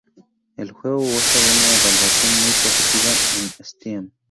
El juego goza de una evaluación "muy positiva" en Steam.